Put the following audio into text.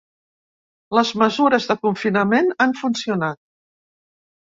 Les mesures de confinament han funcionat.